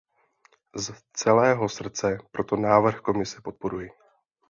Z celého srdce proto návrh Komise podporuji.